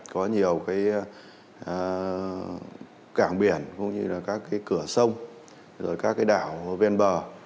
có nhiều cảng biển cũng như là các cửa sông rồi các đảo ven bờ